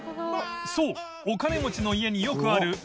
磴修お金持ちの家によくある磴△